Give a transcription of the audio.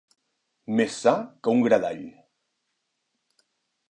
Més sa que un gra d'all.